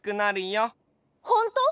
ほんとう？